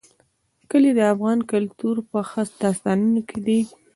کلي د افغان کلتور په داستانونو کې دي.